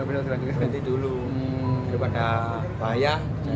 berarti dulu daripada bahaya